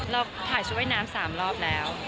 เราถ่ายชุดว่ายน้ำ๓รอบแล้ว